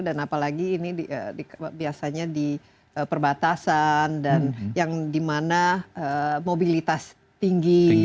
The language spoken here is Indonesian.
apalagi ini biasanya di perbatasan dan yang dimana mobilitas tinggi